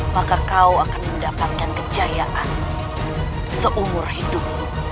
maka kau akan mendapatkan kejayaan seumur hidupku